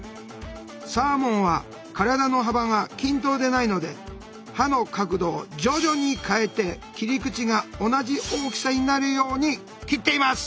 サーモンは体の幅が均等でないので刃の角度を徐々に変えて切り口が同じ大きさになるように切っています。